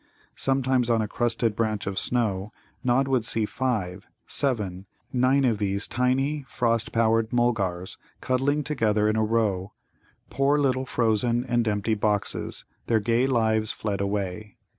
Sometimes on a crusted branch of snow Nod would see five seven nine of these tiny, frost powdered Mulgars cuddling together in a row, poor little frozen and empty boxes, their gay lives fled away.